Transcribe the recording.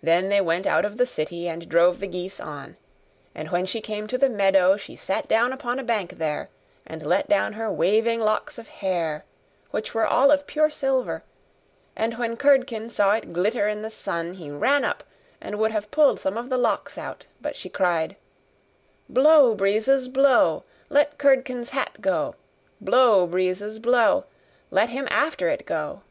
Then they went out of the city, and drove the geese on. And when she came to the meadow, she sat down upon a bank there, and let down her waving locks of hair, which were all of pure silver; and when Curdken saw it glitter in the sun, he ran up, and would have pulled some of the locks out, but she cried: 'Blow, breezes, blow! Let Curdken's hat go! Blow, breezes, blow! Let him after it go!